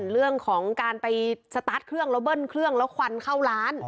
เรื่องของการไปสตาร์ทเครื่องแล้วเบิ้ลเครื่องแล้วควันเข้าร้าน